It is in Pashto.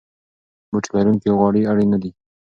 بوټي لرونکي غوړي اړین نه دي.